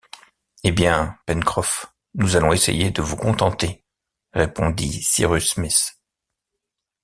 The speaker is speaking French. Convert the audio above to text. Eh bien, Pencroff, nous allons essayer de vous contenter, répondit Cyrus Smith.